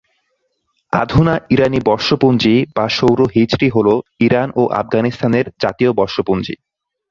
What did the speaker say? অধুনা ইরানি বর্ষপঞ্জী বা সৌর হিজরি হল ইরান ও আফগানিস্তানের জাতীয় বর্ষপঞ্জী।